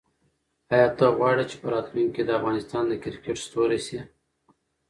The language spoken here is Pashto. آیا ته غواړې چې په راتلونکي کې د افغانستان د کرکټ ستوری شې؟